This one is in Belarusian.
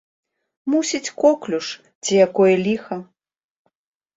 Мусіць коклюш ці якое ліха.